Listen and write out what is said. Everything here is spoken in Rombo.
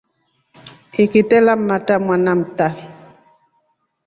Ikite lammatra mwana mta.